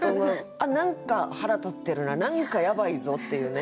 あっ何か腹立ってるな何かやばいぞっていうね